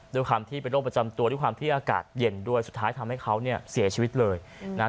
ด้วยความที่เป็นโรคประจำตัวด้วยความที่อากาศเย็นด้วยสุดท้ายทำให้เขาเนี่ยเสียชีวิตเลยนะฮะ